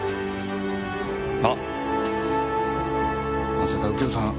まさか右京さん。